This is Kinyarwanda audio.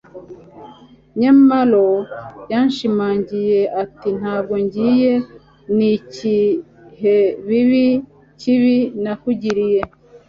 nyamalo yashimangiye ati ntabwo ngiye. ni ikihe kibi nakugiriye